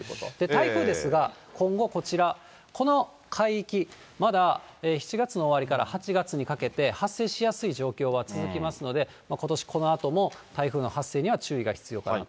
台風ですが、今後、こちら、この海域、まだ７月の終わりから８月にかけて発生しやすい状況は続きますので、ことしこのあとも、台風の発生には注意が必要かなと。